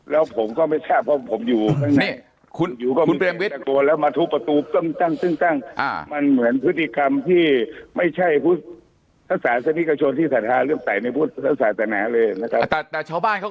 แล้วผมก็ไม่ชอบเพราะผมอยู่ข้างนั้น